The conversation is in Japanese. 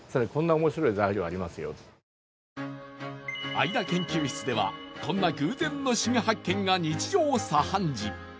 相田研究室ではこんな偶然の新発見が日常茶飯事。